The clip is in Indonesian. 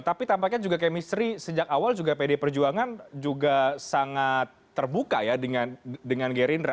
tapi tampaknya juga kemistri sejak awal juga pdi perjuangan juga sangat terbuka ya dengan gerindra